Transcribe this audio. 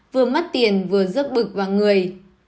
vừa mất tiền vừa rớt bực vào người